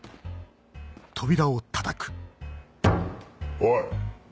おい！